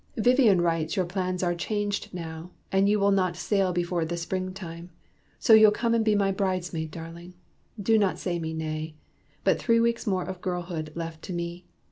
Vivian writes Your plans are changed now, and you will not sail Before the Springtime. So you'll come and be My bridesmaid, darling! Do not say me nay. But three weeks more of girlhood left to me.